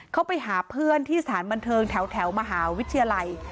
เขาไปหาเพื่อนที่สถานบันเทิงแถวมหาวิทยาลัย